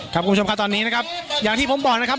คุณผู้ชมครับตอนนี้นะครับอย่างที่ผมบอกนะครับ